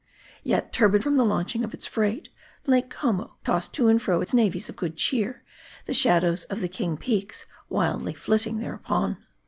Yet turbid from the launching of its freight, Lake Como tossed to and fro its navies of good cheer, the shadows of the king peaks wildly flitting thereupon.